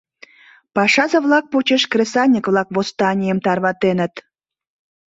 Пашазе-влак почеш кресаньык-влак восстанийым тарватеныт.